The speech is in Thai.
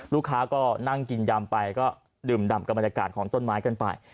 ลูกค้าก็นั่งกินยำไปก็ดื่มดำกับบรรยากาศของต้นไม้กันไป